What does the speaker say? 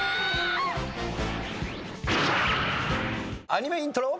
アニメイントロ。